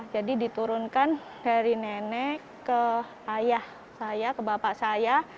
jadi diturunkan dari nenek ke ayah saya ke bapak saya